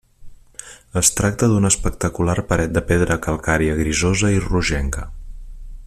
Es tracta d'una espectacular paret de pedra calcària grisosa i rogenca.